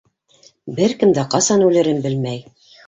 Бер кем дә ҡасан үлерен белмәй.